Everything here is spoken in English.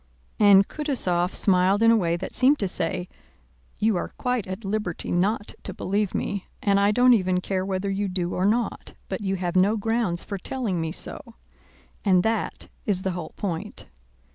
And Kutúzov smiled in a way that seemed to say, "You are quite at liberty not to believe me and I don't even care whether you do or not, but you have no grounds for telling me so. And that is the whole point."